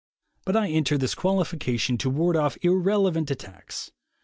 But I enter this qualification to ward off irrelevant attacks.